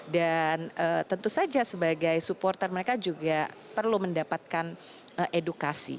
dan tentu saja sebagai supporter mereka juga perlu mendapatkan edukasi